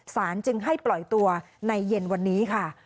จึงให้ปล่อยตัวในเย็นวันนี้ค่ะ